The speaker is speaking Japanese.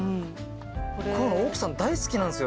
こういうの奥さん大好きなんですよね。